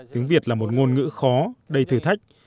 tiếng việt là một ngôn ngữ khó đầy thử thách